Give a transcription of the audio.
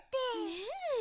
ねえ。